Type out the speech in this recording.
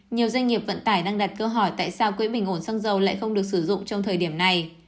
nhiều doanh nghiệp vận tải đang đặt câu hỏi tại sao quỹ bình ổn xăng dầu lại không được sử dụng trong thời điểm này